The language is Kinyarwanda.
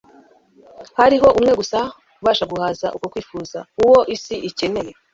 Hariho Umwe gusa ubasha guhaza uko kwifuza. Uwo isi ikeneye,